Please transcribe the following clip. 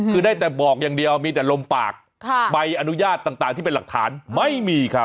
คือได้แต่บอกอย่างเดียวมีแต่ลมปากใบอนุญาตต่างที่เป็นหลักฐานไม่มีครับ